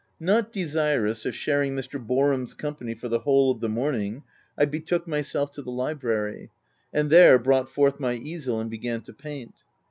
Not desirous of sharing Mr. Boarham's company for the whole of the morning, I be took myself to the library ; and there brought forth my easel, and began to paint.